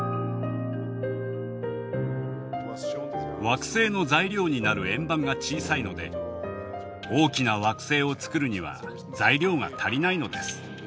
惑星の材料になる円盤が小さいので大きな惑星を作るには材料が足りないのです。